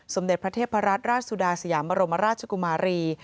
สมเด็จพระเทพรัตนราชสุดาสยามบรมราชกุมารี